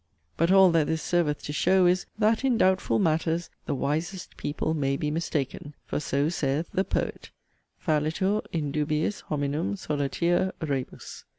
But all that this serveth to show is, 'that in doubtful matters, the wisest people may be mistaken'; for so saith the 'Poet,' 'Fallitur in dubiis hominum solertia rebus.'